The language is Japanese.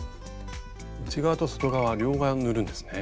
内側と外側両側塗るんですね。